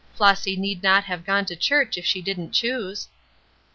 Flossy need not have gone to church if she didn't choose."